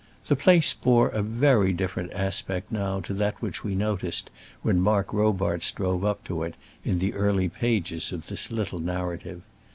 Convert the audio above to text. The place bore a very different aspect now to that which we noticed when Mark Robarts drove up to it, in the early pages of this little narrative.